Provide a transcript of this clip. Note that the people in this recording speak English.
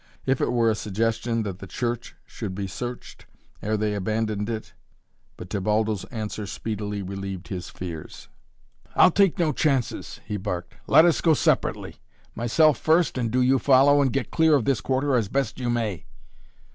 If it were a suggestion that the church should be searched, ere they abandoned it! But Tebaldo's answer speedily relieved his fears. "I'll take no chances," he barked. "Let us go separately. Myself first and do you follow and get clear of this quarter as best you may."